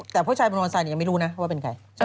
แต่พ่อชายบรรวณศัยยังไม่รู้นะว่าเป็นใคร